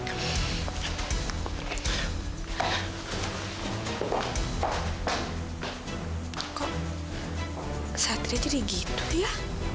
kok satria jadi gitu ya